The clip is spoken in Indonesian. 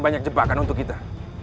banyak jebakan untuk kita